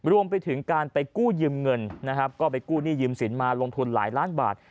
รวมไปถึงการไปกู้ยืมเงินนะครับก็ไปกู้หนี้ยืมสินมาลงทุนหลายล้านบาท